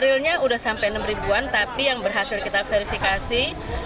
realnya sudah sampai enam an tapi yang berhasil kita verifikasi tiga tiga ratus tiga puluh delapan